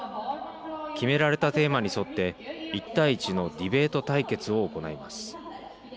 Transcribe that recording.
決められたテーマに沿って１対１のディベート対決を行います。